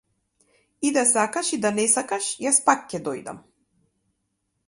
И да сакаш и да не сакаш јас пак ќе дојдам.